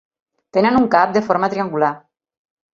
Tenen un cap de forma triangular.